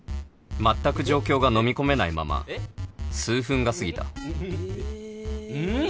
全く状況がのみ込めないまま数分が過ぎたえ。